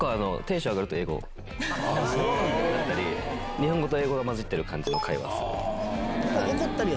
日本語と英語が交じってる感じの会話をする。